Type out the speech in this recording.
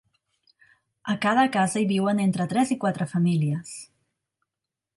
A cada casa hi viuen entre tres i quatre famílies.